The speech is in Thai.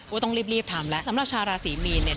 ต้องรีบรีบทำแล้วสำหรับชาวราศีมีนเนี่ย